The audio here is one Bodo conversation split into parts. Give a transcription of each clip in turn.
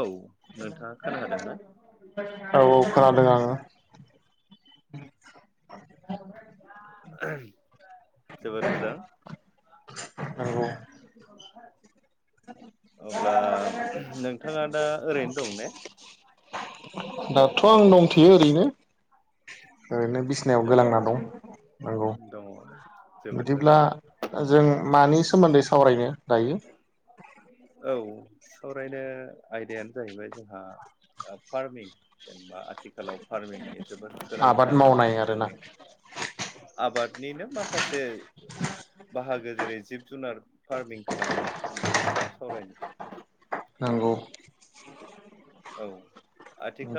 औ नोंथाङा खोना हादों ना? औ औ खोनादों आङो। जोबोद मोजां नंगौ [unintelligible] अब्ला नोंथाङा दा ओरैनो दं दाथ' आं दंथयो ओरैनो। ओरैनो बिसिनायाव जोबोद गोलांना दं नंगौ दङ जोबोद बिदिब्ला मोजां जों मानि सोमोन्दै सावरायनो दायो औ सावरायनो आयदायानो जाहैबाय जोंहा ओ फार्मिं जेनेबा आथिखालाव फार्मिंनि जोबोद गोनां आबाद जानानै दं मावनाय आरोना जोंनि आबादनिनो माखासे बाहागो जेरै जिब जुनार फार्मिं खालामनाय बेनि सायाव सावरायनो नोंगौ औ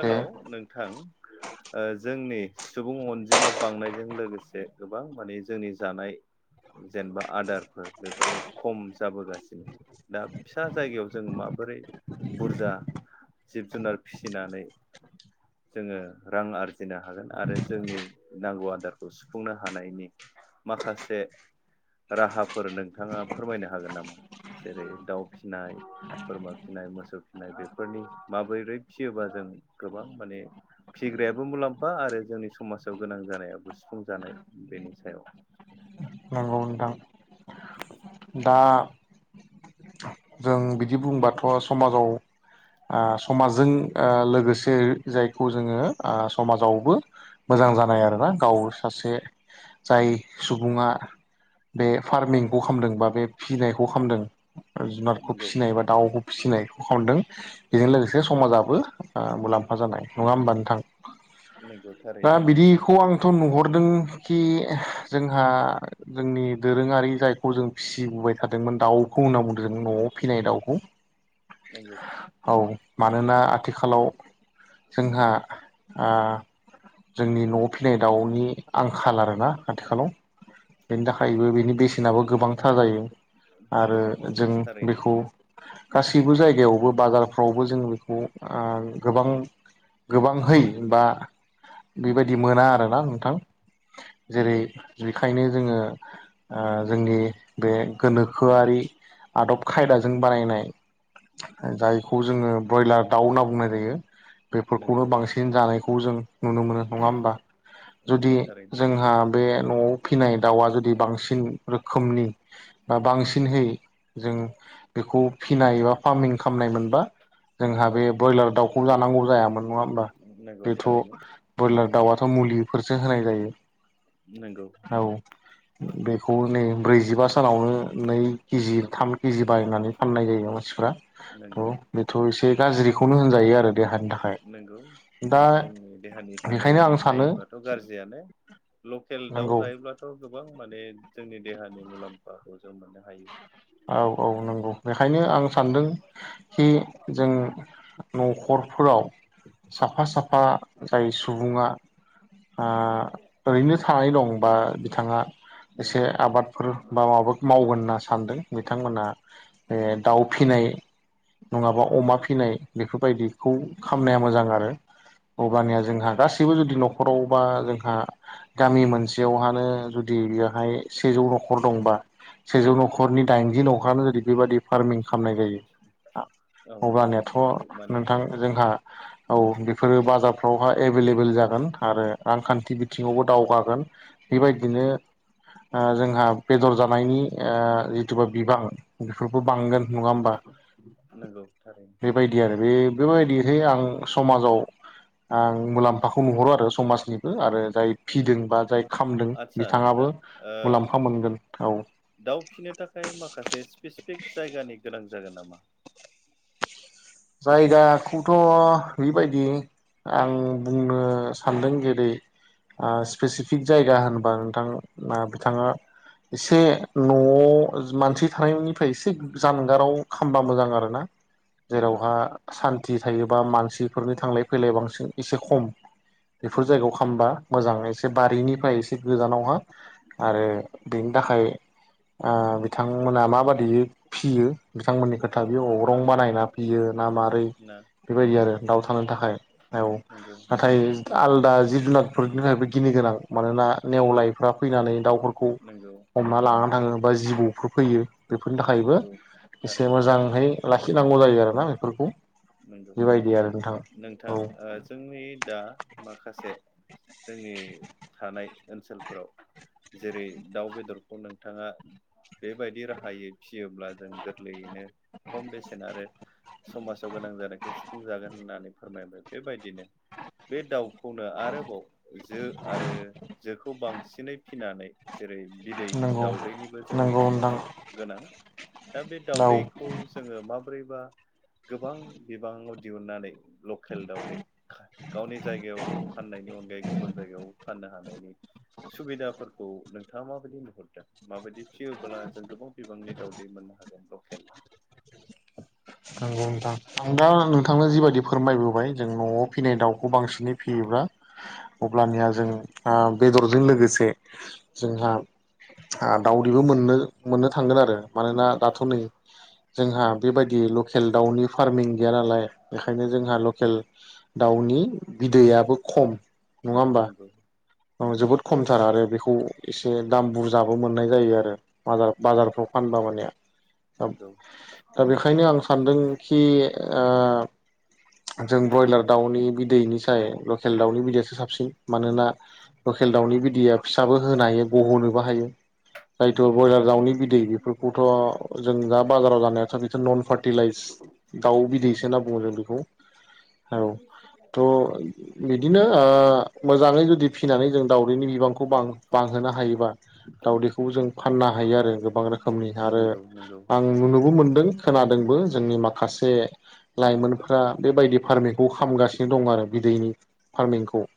दे नोंथां ओ जोंनि सुबुं अनजिमा बांनायजों लोगोसे गोबां माने जोंनि जानाय जेनेबा आदारफोर बेफोरो खम जाबोगासिनो दा फिसा जायगायाव जों माबोरै बुरजा जिब जुनार फिसिनानै जोङो रां आरजिनो हागोन आरो जोंनि नांगौ आदारखौ सुफुंनो हानायनि माखासे राहाफोर नोंथाङा फोरमायनो हागोन नामा जेरै दाउ फिसिनाय बोरमा फिसिनाय मोसौ फिसिनाय बेफोरनि माबोरै फिसियोबा जों गोबां माने फिग्रायाबो मुलाम्फा आरो जोंनि समाजाव गोनां जानायाबो सुफुं जानाय बेनि सायाव औ नोंथां [inaudible] दा जों बिदि बुंबाथ' समाजाव आ समाजजों ओ लोगोसे जायखौ जोङो आ समाजावबो मोजां जानाय आरोना गाव सासे जाय सुबुङा बे फार्मिंखौ खालामदों बा बे फिसिनायखौ खालामदों जुनारखौ नंगौ फिसिनाय एबा दाउखौ फिसिनायखौ खालामदों बेजों लोगोसे समाजाबो ओ मुलाम्फा जानाय नङा होमबा नोंथां नोंगौ दा बिदिखौ आंथ' नुहरदों खि जोंहा जोंनि दोरोङारि जायखौ जों फिसिबोबाय थादोंमोन दाउखौ होनना बुंदों जों नवाव फिनाय दाउखौ नोंगौ औ मानोना आथिखालाव जोंहा आ जोंनि न'वाव फिनाय दाउनि आंखाल आरो ना खाथिखालाव बेनि थाखायबो बेसेनाबो गोबांथार जायो आरो गोबां जों नंगौ थारैनो बेखौ गासैबो जायगायावबो बाजारफ्रावबो जों बेखौ ओ गोबां गोबांहै बा बेबायदि मोना आरोना नोंथां जेरै नंगौ बेखायनो जोङो ओ जोंनि बे गोनोखोआरि आदब खायदाजों बानायनाय जायखौ जोङो ब्रयलार दाउ होनना बुंनाय जायो बेफोरखौनो नंगौ बांसिन जानायखौ जों नुनो मोनो नङा होमबा जुदि नंगौ थारैनो जोंहा बे न'वाव फिनाय दाउवा जुदि बांसिन रोखोमनि बा बांसिनहै जों बेखौ फिनाय बा फार्मिं खालामामनाय मोनबा जोंहा औ बे बयलार दाउखौ जानांगौ जायामोन नङा होमबा नंगौ बेथ' थारैनो बयलार दाउआथ' मुलिफोरसो होनाय जायो। नंगौ। औ। बेखौ नै ब्रैजिबा सानावनो नै केजि थाम केजि बायनानै फाननाय जायो मानसिफ्रा नंगौ थ' बेथ' एसे गाज्रिखौनो होनजायो आरो देहानि थाखाय नंगौ दा जोंनि देहानि थाखाय बेखायनो आं सानो नायोब्लाथ' गाज्रियानो लकेल दाउ नंगौ जाय अब्लाथ' गोबां माने जोंनि देहानि मुलाम्फाखौ जों मोननो हायो। औ औ नंगौ बेखायनो आं सानदों खि जों न'खरफोराव साफा साफा जाय सुबुङा आ ओरैनो थानाय दं बा बिथाङा एसे नंगौ आबादफोर बा माबा मावगोन होनना सानदों। बिथांमोना दाउ फिनाय नङाबा अमा फिनाय बेफोरबायदि खौ खामनाया मोजां नंगौ आरो अब्लानिया नंगौ जोंहा गासैबो जुदि न'खराव बा जोंहा गामि मोनसेयावहानो जुदि बेवहाय सेजौ न'खर दंबा सेजौ न'खरनि दाइनजि न'खानो जुदि बेबादि फार्मिं खामनाय जायो औ अबब्लानियाथ' माने नोंथां जोंहा औ बेफोरो बाजारफ्रावहााय एभेलेबेल जागोन आरो रांखान्थि बिथिङावबो दावगागोन। बेबायदिनो ओ जोंहा बेदर जानायनि ओ जि थुबा बिबां बेफोरबो बांगोन नङा नंगौ थारैनो। बेबायदि आरो बे बेबायदिहाय आं समाजाव आं मुलाम्फाखौ नुहुरो आरो समाजनिबो आरो जाय फिदों नंगौ बा जाय खामदों आदसा बिथाङाबो नोंथां ओ मुलाम्फा मोनगोन औ। दाउ फिनो थाखाय माखासे स्पेसिफिक जायगानि गोनां जागोन नामा? जायगाखौथ' बेबायदि आं बुंनो सानदों जेरै स्पेसिफिक जायगा होनबा नोंथां बिथाङा एसे न'आव मानसि थानायनिफ्राय एसे जानगाराव खामबा मोजां आरोना। नंगौ जेरावहा सान्थि थायोबा मानसिफोरनि थांलाय फैलाय बांसिन एसे खम। बेफोर नंगौ जायगायाव खामबा मोजां एसे बारिनिफ्राय एसे गोजानावहा आरो बेनि थाखाय ओ बिथांमोना माबादि फियो बिथांमोननि खोथा बेयो औ अरं बानायना फैयो ना मारै ना बेबायदि आरो नंगौ दाउ थानो थाखाय औ। नंगौ नाथाय आलादा जिब जुनारफोरनि थाखायबो गिनो गोनां मानोना नेवलायफ्रा फैनानै दाउफोरखौ नोंगौ। हमना लानानै थाङो बा जिबौफोर फैयो बेफोरनि थाखायबो नंगौ एसे थारैनो मोजांहै लाखिनांगौ जायो आरोना बेफोरखौ। नंगौ बेबायदि आरो नोंथां औ नोंथां ओ जोंनि दा माखासे जोंनि थानाय ओनसोलफोराव जेरै दाउ बेदरखौ नोंथाङा बेबायदि राहायै फियोब्ला जों गोरलैयैनो खम बेसेन आरो समाज साव गोनां जानायखौ सुफुंजागोन होननानै फोरमायबाय बेबायदिनो बे दाव खौनो आरोबाव जो आरो जोखौ बांसिनै फिनानै जेरै बिदै नंगौ दाउदैनिबो जोंनि नंगौ नोंथां समाजाव गोनां दा बे औ दाउदै खौ जोङो माबोरैबा गोबां बिबाङाव दिहुनन्नानै लकेल दावदै गावनि जायगायाव फाननायनि अनगायै गुबुन जायगायाव फाननो हानायनि सुबिदाफोर- खौ नोंथाङा माबायदि नुहरदों माबायदि फिसियोब्ला जों गोबां बिबांनि दावदै मोननो हागोन लकेल नंगौथां आं दा नोंथांनो जिबायदि फोरमायबोबाय जों न'आव फिनाय दाउखौ बांसिनै फैयोब्ला अब्लानिया जों ओ बेदरजों लोगोसे जोंहा दावदैबो मोननो मोननो थांगोन आरो। मानोना दाथ' नै जोंहा बेबायदि लकेल दाउनि फार्मिं गैया नालाय बेखायनो जोंहा लकेल दाउनि बिदैयाबो खम नङा होमबा? नंगौ ओ जोबोद खमथार आरो बेखौ एसे दाम बुरजाबो मोननाय जायो आरो। बाजार बाजारफ्राव फानबा मानेआ नंगौ दा बेखायनो आं सानदोंखि ओ जों ब्रयलार दाउनि बिदैनि साय लकेल दाउनि बिदैयासो साबसिन मानोना लकेल दाउनि बिदैया फिसाबो होनो हायो गहोनोबो हायो। जायथ' नंगौ ब्रयलार दाउनि बिदै बेफोरखौथ' जों जा बाजाराव जानाय सा बिथ नन्नन फार्टिलाइज दाउ नंगौ बिदैसो ना बुङो जों बिखौ औ थ' बिदिनो ओ मोजाङै जुदि फिसिनानै जों दाउदैनि बिबां बां बांहोनो हायोबा दाउदैखौ जों फाननो हायो आरो गोबां रोखोमनि आरो नंगौ आं नुनोबो मोनदों खोनादोंबो जोंनि मा खासे लाइमोनफ्रा बेबायदि फार्मिंखौ खामगासिनो दं आरो बिदैनि फार्मिंखौ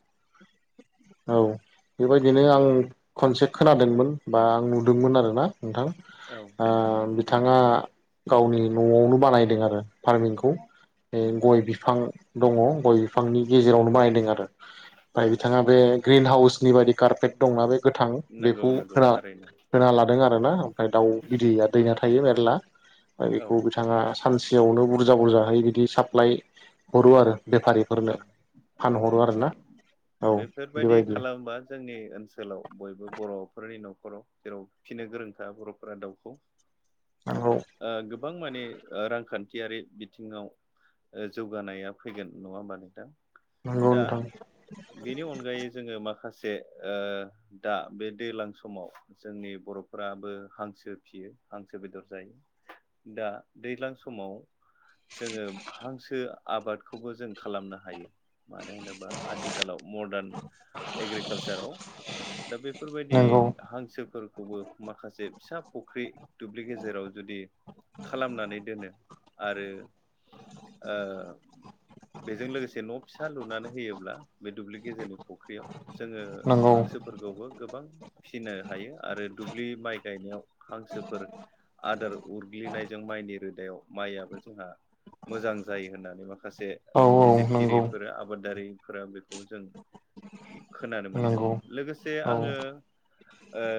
औ नंगौ बेबायदिनो आं खनसे खोनादोंमोन बा आं नुदोंमोन आरोना नोंथां औ आ बिथाङा गावनि न'आवनो बानायदों आरो फार्मिंखौ ए गय बिफां दङ गय बिफांनि गेजेरावनो नंगौ बायदों आरो ओमफ्राय औ बिथाङा बे ग्रिन हाउसनि बायदि कार्पेट दंना बे गोथां नंगौ बेखौ नंगौ होना थारैनो होना लादों आरो ना दाउ गिदैया दैना थायो मेरला दा औ बिखौ बिथाङा फानसेयावनो बुरजा बुरजाहै बिदि साप्लाय हरो आरो बेफारि औ औ औ औ बेफोरबायदि बेबायदि खालाम होमबा जोंनि ओनसोलाव बयबो बर'फोरनि न'खराव जेराव फिनो गोरोंखा बर'फोरा दाउखौ नंगौ गोबां माने ओ रांखान्थियारि बिथिङाव ओ जौगानाया फैगोन नङा होमबा नोंथां? नंगौ दा नोंथां बेनि अनगायै जोङो माखासे ओ दा बे दैज्लां समाव जोंनि बर'फोराबो हांसो फियो हांसो बेदर जायो। दा दैज्लां समाव जोङो हांसो आबादखौबो जों खालामनो हायो। मानो होनोबा आथिखालाव मडार्न एग्रिकालसाराव दा बेफोरबायदि नंगौ हांसोफोरखौबो माखासे फिसा फुख्रि दुब्लि गेजेराव जुदि- खालामनानै दोनो आरो आ बेजों लोगोसे न' फिसा लुनानै होयोब्ला बे दुब्लि गेजेरनि फुख्रियाव जोङो नंगौ हांसो फोरखौबो गोबां फिसिनो हायो आरो दुब्लि माइ गायनायाव हांसोफोर आदोर उरग्लिनायजों माइनि रोदायाव माइयाबो जोंहा मोजां जायो होननानै माखासे औ औ नंगौ बिजिरगिरिफोर आबादारिफोरा बेखौ जों खोनानो मोनदों नंगौ लोगोसे औ आङो ओ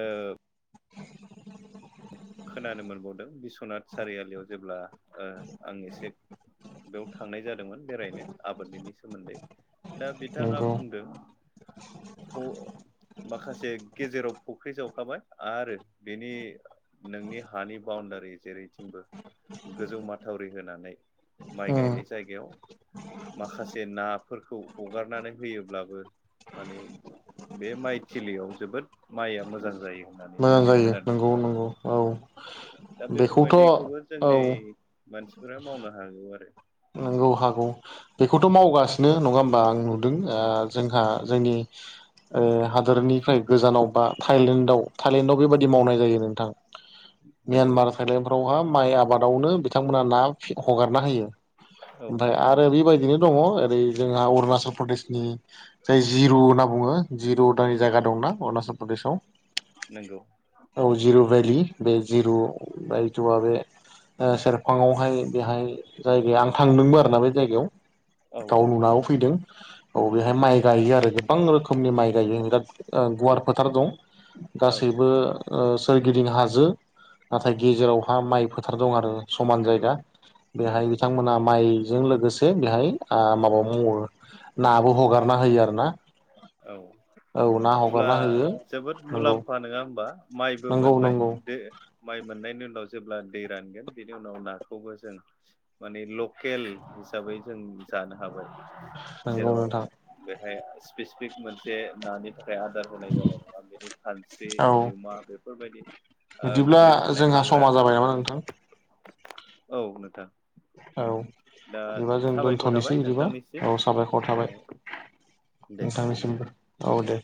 खोनानो मोनबावदों बिस्वनाथ सारियालियाव जेब्ला ओ आं एसे बेयाव थांनाय जादोंमोन बेरायनो आबादनिनि सोमोन्दै दा बिथाङा नंगौ बुंदों फ अ माखासे गेजेराव फुख्रि जावखाबाय आरो बेनि नोंनि हानि बाउणडारि जेरैथिंबो गोजौ माथावरि होनानै माइ उम गायनाय जायगायाव माखासे नाफोरखौ हगारनानै होयोब्लाबो माने बे माइथिलियाव जोबोद माइया मोजां जायो। होननानै मोजां आं जायो खोनानो नंगौ मोनदों आरो नंगौ औ। दा बेखौथ' बेफोरबायदिखौबो औ जोंनि मानसिफोरा मावनो हागौ आरो औ नांगौ हागौ बेखौथ' मावगासिनो नङा होमबा आं नुदों जोंहा जोंनि हादोरनिफ्राय गोजानाव बा थाइलेण्डआव थाइलेण्डआव बेबायाददि मावनाय जायो नोंथां नंगौ म्यानमार थायलेण्डफ्रावहा माइ आबादावनो बिथांमोनहा ना हगारना होयो औ ओमफ्राय आरो बेबायदिनो दङो ओरै जोंहा अरुणाचल प्रदेशनि जाय जिरु होनना बुंङो जिरु दानि जायगा दंना अरुणाचल प्रदेशआव नंगौ औ जिरु भेलि बे जिरु बथुआ बे सेरफाङावहाय बेहाय जायगाया आं थांदोंबो दा बे जायगायाव औ गाव औ नुनानै फैदों अ बेहाय नंगौ माइ गायो आरो गोबां रोखोमनि माइ गायोरा गुवार फोथार दं औ गासैबो सोरगिदिं हाजो नाथाय गेजेरावहा माइ फोथार दं आरो समान नंगौ जायगा बेहाय नंगौ नंगौ बिथांमोना माइ बे जों लोगोसे बेहाय माबा मावबावो नाबो हगारना होयो आरोना औ अब्ला होयो जोबोद नंगौ मुलाम्फा नङा होमबा माइबो नंगौ मोनबाय नंगौ जे माइ मोननायनि उनाव जेब्ला दै रानगोन बेनि उनाव नाखौबो जों माने लकेल हिसाबै जों जानो हाबाय आं जेराव बुंनो थां बेहाय स्पेसिफिक मोनसे नानि थाखाय आदार होनाय जानाय नंङा बेनि खानस्रि औ गमा बेफोरबायदि बिदिब्ला दुब्लियाव थानाय जोंहा हाग्रा समा जाबाय नामा नोंथां औ नोंथां औ दा बिदिबा जों साबायखर दोनथ'नोसै थाबाय बिदिबा औ नोंथांनिसिम साबायखर ओ थाबाय [inaudible] नोंथांनिसिमबो औ दे